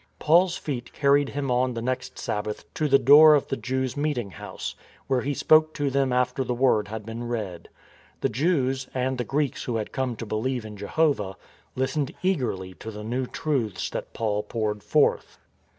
Paul's feet carried him on the next Sabbath to the door of the Jews' meeting house, where he spoke to them after the Word had been read. The Jews, and the Greeks who had come to believe in Jehovah, listened eagerly to the new truths that Paul poured forth.